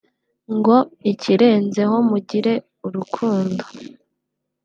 … ngo ikirenzeho mugire urukundo